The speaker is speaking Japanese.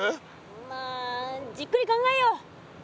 まあじっくり考えよう！